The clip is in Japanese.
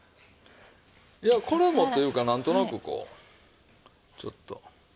いやこれもというかなんとなくこうちょっと。